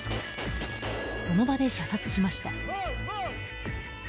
その場で射殺しました。